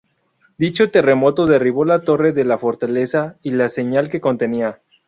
Dicho terremoto derribó la torre de la fortaleza y la señal que contenía.